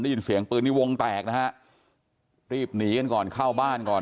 ได้ยินเสียงปืนนี้วงแตกนะฮะรีบหนีกันก่อนเข้าบ้านก่อน